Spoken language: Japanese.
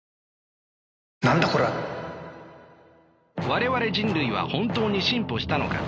我々人類は本当に進歩したのか。